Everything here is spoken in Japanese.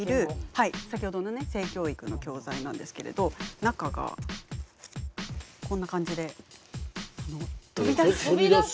はい先ほどのね性教育の教材なんですけれど中がこんな感じで飛び出す。